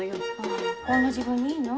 あこんな時分にいいの？